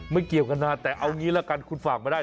เกี่ยวกันนะแต่เอางี้ละกันคุณฝากมาได้